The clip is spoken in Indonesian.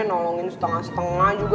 nolongin setengah setengah juga